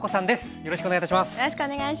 よろしくお願いします。